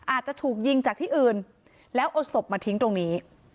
อาจจะถูกยิงจากที่อื่นแล้วเอาศพมาทิ้งตรงนี้